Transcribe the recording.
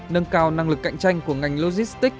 nâng cao năng lực cạnh tranh của ngành logistics